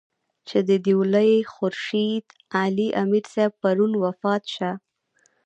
چې د دېولۍ خورشېد علي امير صېب پرون وفات شۀ